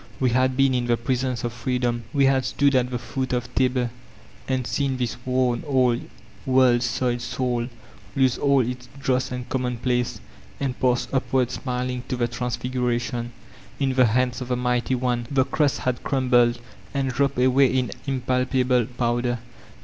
We had been in the presence of Freedoml We had stood at the foot of Tabor, and seen this worn, old, world soiled soul lose all its dross and commonplace, and pass iqmard snuHog, to the Trans figuratu>n. In the hands of the Mighty One the crust had crumbled, and dropped away in impalpable powder.